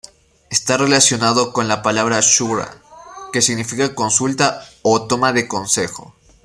Está relacionado con la palabra shura, que significa consulta o "toma de consejo".